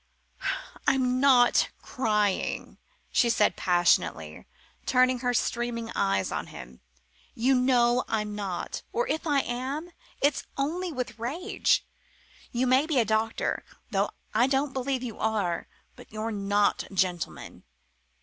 "I'm not crying," she said passionately, turning her streaming eyes on him, "you know I'm not or if I am, it's only with rage. You may be a doctor though I don't believe you are but you're not a gentleman.